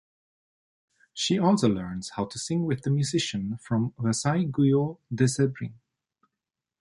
She also learns how to sing with the musician from Versailles Guillot de Sainbris.